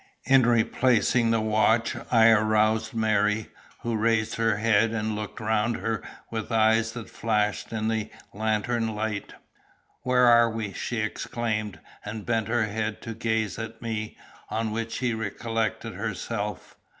In replacing the watch I aroused Mary, who raised her head and looked round her with eyes that flashed in the lantern light. "Where are we?" she exclaimed, and bent her head to gaze at me, on which she recollected herself.